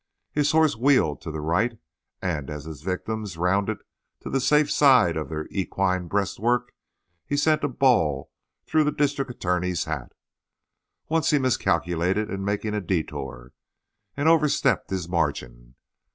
His horse wheeled to the right, and as his victims rounded to the safe side of their equine breast work he sent a ball through the district attorney's hat. Once he miscalculated in making a détour, and over stepped his margin.